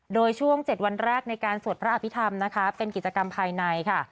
โดยช่วง๗วันแรกในการสวดพระอภิษฐรรมนะคะเป็นกิจกรรมภายในค่ะ